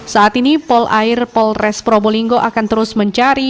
saat ini pol air polres probolinggo akan terus mencari